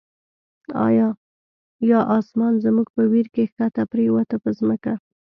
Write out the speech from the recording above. یا آسمان زمونږ په ویر کی، ښکته پریوته په ځمکه